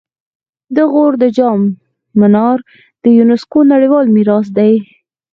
د غور د جام منار د یونسکو نړیوال میراث دی